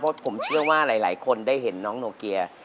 เพราะผมเชื่อว่าหลายคนได้เห็นน้องโนเกีย